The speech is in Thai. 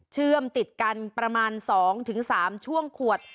เชื่อมติดกันประมาณ๒๓ช่วงขวด